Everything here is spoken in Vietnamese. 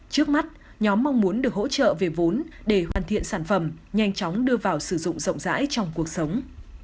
trước mắt nhóm mong muốn được hỗ trợ về vốn để hoàn thiện sản phẩm nhanh chóng đưa vào sử dụng rộng rãi trong cuộc sống